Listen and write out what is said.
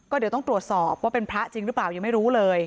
เดี๋ยวต้องตรวจสอบว่าเป็นพระจริงหรือเปล่ายังไม่รู้เลย